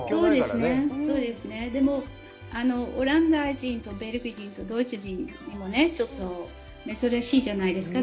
でも、オランダ人とベルギー人とドイツ人もちょっと珍しいんじゃないですか。